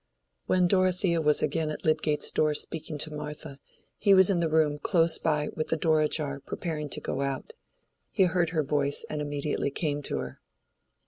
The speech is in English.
When Dorothea was again at Lydgate's door speaking to Martha, he was in the room close by with the door ajar, preparing to go out. He heard her voice, and immediately came to her.